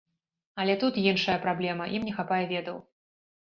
Але тут іншая праблема, ім не хапае ведаў.